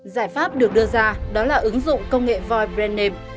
giải pháp được đưa ra đó là ứng dụng công nghệ void brand name